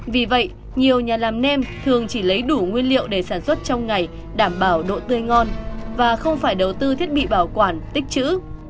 vì vậy nhiều nhà làm nêm thường chỉ lấy đủ nguyên liệu để sản xuất trong ngày đảm bảo độ tươi ngon và không phải đầu tư thiết bị bảo quản tích chữ